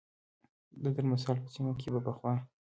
د درمسال په سیمه کې به پخوا